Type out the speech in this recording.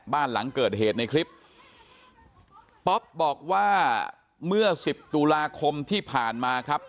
บ้านหลังเกิดเหตุในคลิปป๊อปบอกว่าเมื่อสิบตุลาคมที่ผ่านมาครับ